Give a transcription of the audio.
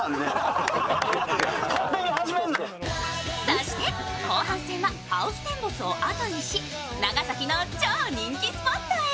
そして、後半戦はハウステンボスをあとにし、長崎の超人気スポットへ。